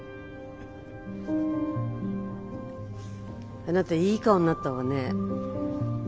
あなたいい顔になったわね。